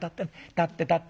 立って立って。